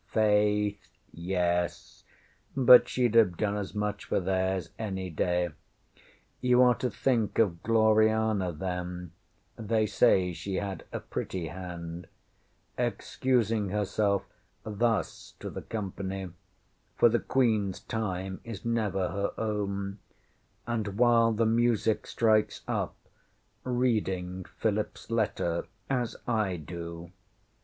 ŌĆśFaith, yes! But sheŌĆÖd have done as much for theirs, any day. You are to think of Gloriana, then (they say she had a pretty hand), excusing herself thus to the company for the QueenŌĆÖs time is never her own and, while the music strikes up, reading PhilipŌĆÖs letter, as I do.